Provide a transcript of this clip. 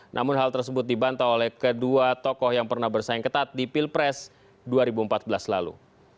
namun hal tersebut dibantah oleh kedua tokoh yang pernah bersaing ketat di pilpres dua ribu empat belas lalu